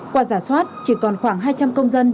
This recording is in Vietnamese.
qua giả soát chỉ còn khoảng hai trăm linh công dân